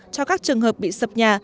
cho các trường hợp bị sập nhà